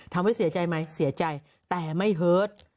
ทำให้เสียใจไหมเสียใจแต่ไม่เฮิต